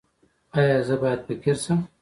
ایا زه باید فقیر شم؟